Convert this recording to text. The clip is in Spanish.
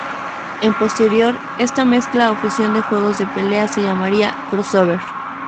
En posterioridad esta mezcla o fusión de juegos de pelea se llamaría "Crossover".